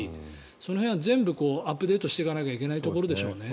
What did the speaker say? その辺は全部アップデートしていかなければいけないところでしょうね。